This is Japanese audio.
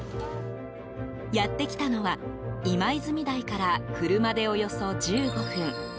やってきたのは今泉台から車でおよそ１５分。